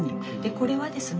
これはですね